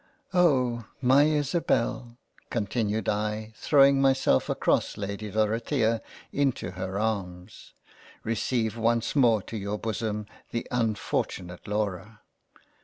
" Oh ! my Isabel (continued I throwing myself across Lady Dorothea into her arms) receive once more to your Bosom the unfortunate Laura.